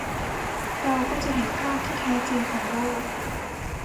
เราก็จะเห็นภาพที่แท้จริงของโลก